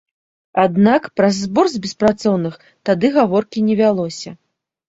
Аднак пра збор з беспрацоўных тады гаворкі не вялося.